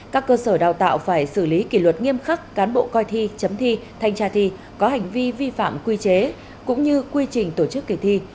các cơ sở đào tạo phải xử lý kỷ luật nghiêm khắc cán bộ coi thi chấm thi thanh tra thi có hành vi vi phạm quy chế cũng như quy trình tổ chức kỳ thi